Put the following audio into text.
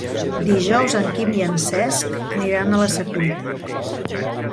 Dijous en Quim i en Cesc aniran a la Secuita.